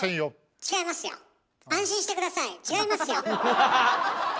違いますよ！